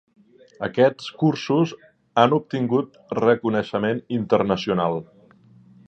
Aquests cursos han obtingut reconeixement internacional.